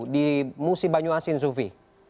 di musi banyu asin sufi